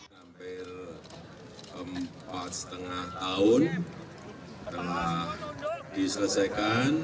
hampir empat lima tahun telah diselesaikan